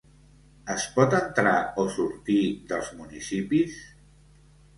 Es pot entrar o sortir dels municipis?